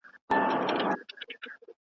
ایا فزیکي ځواک په سیاست کي مهم دی؟